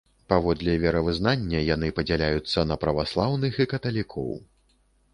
Паводле веравызнання, яны падзяляюцца на праваслаўных і каталікоў.